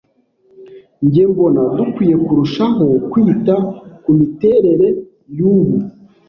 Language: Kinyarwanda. Njye mbona, dukwiye kurushaho kwita kumiterere yubu.